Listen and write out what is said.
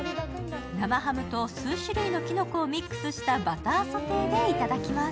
生ハムと数種類のきのこをミックスしたバターソテーでいただきます。